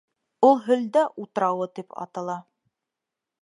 Ул һөлдә утрауы тип атала.